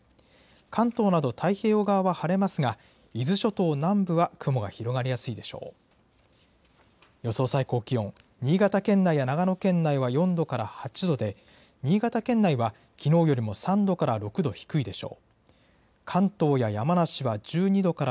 関東など、太平洋側は晴れますが、伊豆諸島南部は雲が広がりやすいでしょう。